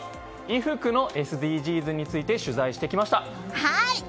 衣服のＳＤＧｓについて取材してきました。